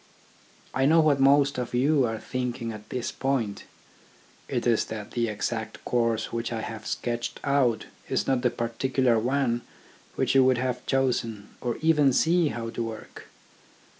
I know what most of you are thinking at this point. It is that the exact course which I have sketched out is not the particular one which you would have chosen, or even see how to work.